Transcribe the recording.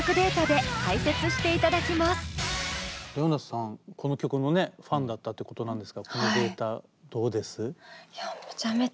ＲｅｏＮａさんこの曲のねファンだったってことなんですがこのデータどうです？